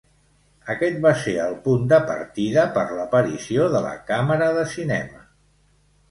Aquest va ser el punt de partida per l'aparició de la Càmera de cinema.